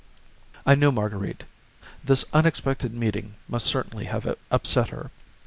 I knew Marguerite: this unexpected meeting must certainly have upset her.